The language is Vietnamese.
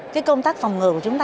cái công tác phòng ngừa của chúng ta